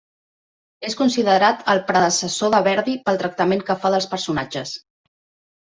És considerat el predecessor de Verdi pel tractament que fa dels personatges.